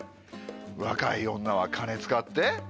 若い女は金使って？